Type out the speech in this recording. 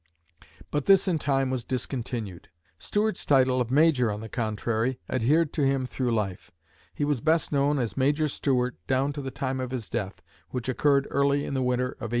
But this in time was discontinued. Stuart's title of "Major," on the contrary, adhered to him through life. He was best known as "Major Stuart" down to the time of his death, which occurred early in the winter of 1886.